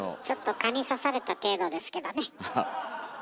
ちょっと蚊にさされた程度ですけどね。